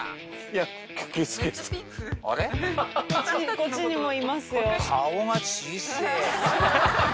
こっちにもいますよ。